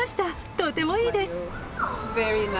とてもいいです。